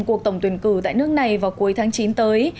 cuộc tổng tuyển cử tại nước này vào cuối tháng chín tới